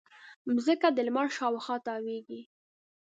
مځکه د لمر شاوخوا تاوېږي.